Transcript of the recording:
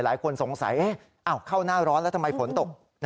หลายคนสงสัยเข้าหน้าร้อนแล้วทำไมฝนตก